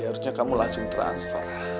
harusnya kamu langsung transfer